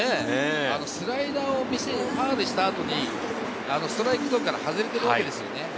スライダーをファウルした後にストライクゾーンから外れているわけです。